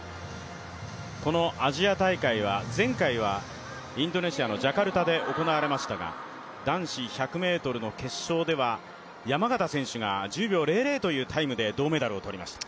このアジア大会は前回はインドネシアのジャカルタで行われましたが男子１００ｍの決勝では山縣選手が１０秒００というタイムで銅メダルをとりました。